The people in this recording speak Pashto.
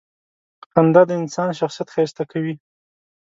• خندا د انسان شخصیت ښایسته کوي.